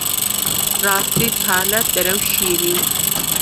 Rastî tal e, derew şîrîn e.